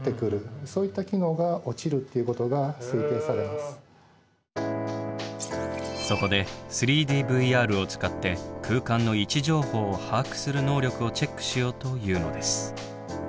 ですのでそこで３ＤＶＲを使って空間の位置情報を把握する能力をチェックしようというのです。